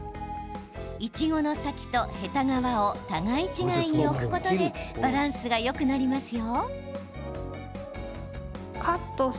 いちごの先とヘタ側を互い違いに置くことでバランスがよくなりますよ。